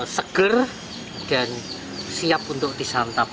seger dan siap untuk disantap